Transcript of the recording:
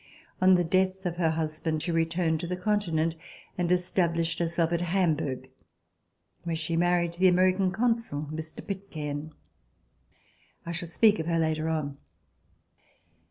On the death of her husband she returned to the Continent and established herself at Hamburg, where she married the American consul, Mr. Pitcairn. I shall speak of her later on.